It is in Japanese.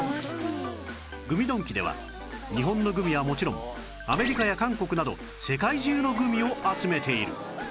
グミドンキでは日本のグミはもちろんアメリカや韓国など世界中のグミを集めている